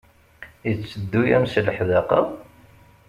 Yetteddu-am s leḥdaqa?